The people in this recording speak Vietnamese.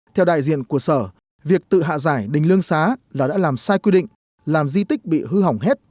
theo đại diện của sở việc tự hạ giải đình lương xá là đã làm sai quy định làm di tích bị hư hỏng hết